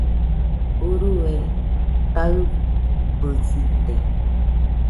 Urue taɨbɨsite